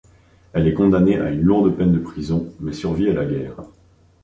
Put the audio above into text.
Elle est condamnée à une lourde peine de prison mais survit à la guerre.